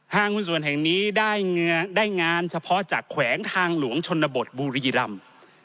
หุ้นส่วนแห่งนี้ได้งานเฉพาะจากแขวงทางหลวงชนบทบุรีรำ